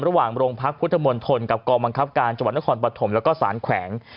ระหว่างโรงพรรคพุทธมนตรกับกรบวังคับการจับณคลปฐแล้วก็ศาลแขวง